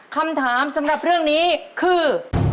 คำถามสำหรับเรื่องนี้คือ